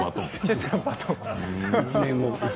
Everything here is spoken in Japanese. １年後。